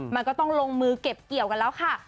มันก็ต้องลงมือเก็บเกี่ยวกันแล้วค่ะ